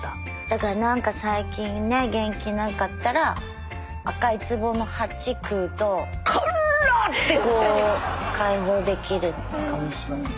だからなんか最近ね元気なかったら赤い壺の８食うと辛っ！ってこう解放できるかもしれない。